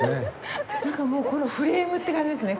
なんかフレームって感じですね